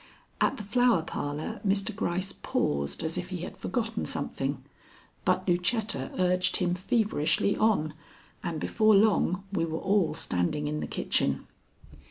At the Flower Parlor Mr. Gryce paused as if he had forgotten something, but Lucetta urged him feverishly on, and before long we were all standing in the kitchen.